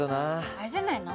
あれじゃないの？